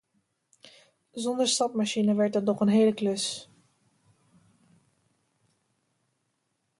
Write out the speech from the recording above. Zonder sapmachine werd dat nog een hele klus.